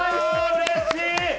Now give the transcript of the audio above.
うれしい！